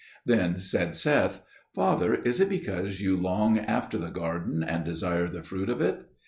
Then said Seth, "Father, is it because you long after the garden and desire the fruit of it?